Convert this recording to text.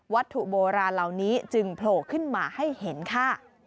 ถูกโบราณเหล่านี้จึงโผล่ขึ้นมาให้เห็นค่ะ